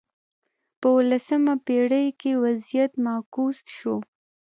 په اولسمه پېړۍ کې وضعیت معکوس شو.